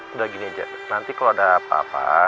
udah gini aja nanti kalau ada apa apa